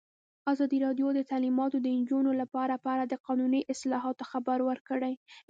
ازادي راډیو د تعلیمات د نجونو لپاره په اړه د قانوني اصلاحاتو خبر ورکړی.